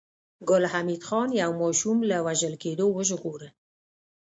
ګل حمید خان يو ماشوم له وژل کېدو وژغوره